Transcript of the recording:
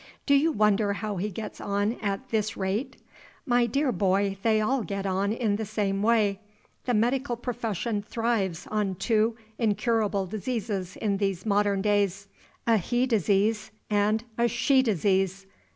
Do you wonder how he gets on at this rate? My dear boy, they all get on in the same way. The medical profession thrives on two incurable diseases in these modern days a He disease and a She disease.